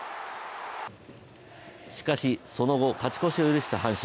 しかし、その後勝ち越しを許した阪神。